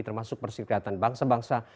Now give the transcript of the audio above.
termasuk persikiratan bangsa bangsa